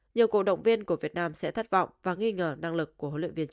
nhiều cổ động viên của việt nam sẽ thất vọng và nghi ngờ năng lực của huấn luyện viên